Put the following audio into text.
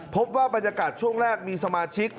พบว่าบรรยากาศช่วงแรกมีสมาชิก